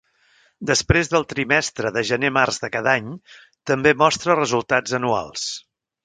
Després del trimestre de gener-març de cada any, també Mostra resultats anuals.